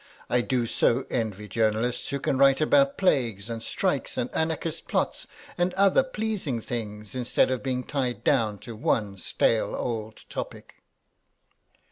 I do so envy journalists who can write about plagues and strikes and Anarchist plots, and other pleasing things, instead of being tied down to one stale old topic."